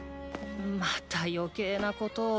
また余計なことを。